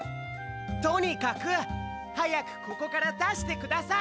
とにかくはやくここからだしてください！